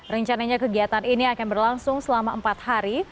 rencananya kegiatan ini akan berlangsung selama empat hari